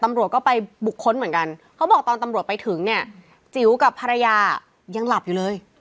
ตำรวจก็ไปบุคคลเหมือนกันเขาบอกตอนตำรวจไปถึงเนี่ยจิ๋วกับภรรยายังหลับอยู่เลย